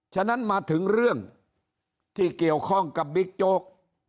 ฉะนั้นมาถึงเรื่องที่เกี่ยวข้องกับบิ๊กโจ๊ก